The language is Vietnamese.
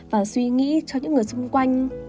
và suy nghĩ cho những người xung quanh